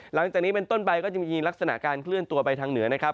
หลังจากนี้เป็นต้นไปก็จะมีลักษณะการเคลื่อนตัวไปทางเหนือนะครับ